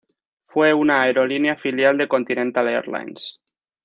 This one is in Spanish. Fue una aerolínea filial de Continental Airlines.